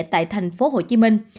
tại thành phố hồ chí minh